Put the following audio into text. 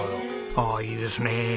ああいいですねえ。